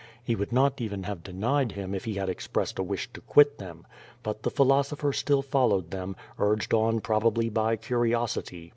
He would not even have denied him if he had expressed a wish to quit them. But the philosopher still followed them, urged on probably by curiosity.